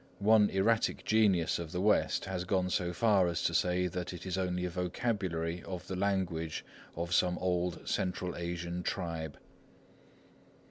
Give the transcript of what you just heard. One erratic genius of the West has gone so far as to say that it is only a vocabulary of the language of some old Central Asian tribe.